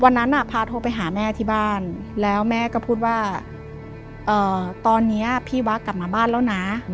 พาโทรไปหาแม่ที่บ้านแล้วแม่ก็พูดว่าตอนนี้พี่วะกลับมาบ้านแล้วนะ